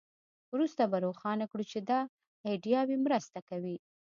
وروسته به روښانه کړو چې دا ایډیاوې مرسته کوي